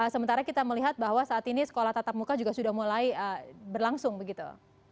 sementara kita melihat bahwa saat ini sekolah tatap muka juga sudah mulai berlangsung begitu